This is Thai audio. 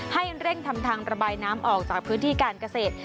ให้เร่งทำทางระบายน้ำออกจากพื้นที่การเกษตร